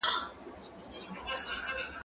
زه کولای سم وخت تېرووم؟